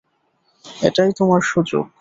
এটাই তোমার সুযোগ।